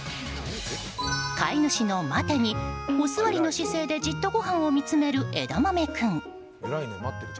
飼い主の待てにおすわりの姿勢でじっとごはんを見つめるえだまめ君。